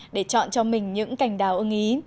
để chọn cho mình những cảnh đào ưng ý